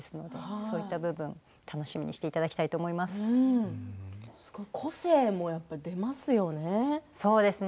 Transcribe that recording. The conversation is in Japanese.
そういった部分楽しみにしていただきたいと個性も出ますよね。